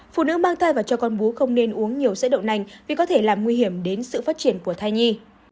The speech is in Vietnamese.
phụ nữ mang thai và cho con bú không nên uống nhiều sữa đậu nành vì có thể làm nguy hiểm đến sự phát triển của thai nhi